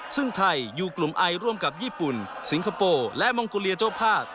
ซึ่งไทยอยู่กลุ่มไอร่วมกับญี่ปุ่นสิงคโปร์และมองโกเลียเจ้าภาพ